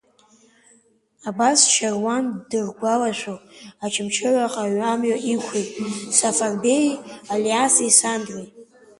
Абас Шьаруан дыргәаларшәо Очамчыраҟа амҩа иқәлеит Сафарбеии, Алиаси, Сандреи.